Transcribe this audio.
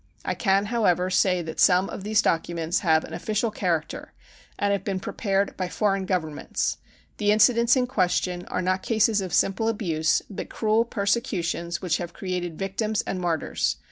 I can, however, say that some of these documents have an official character and have been prepared by foreign Governments. The incidents in question are not cases of simple abuse, but cruel persecutions which have created victims and martyrs.